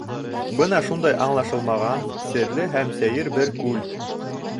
Бына шундай аңлашылмаған, серле һәм сәйер бер күл.